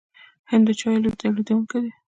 هند د چایو لوی تولیدونکی دی.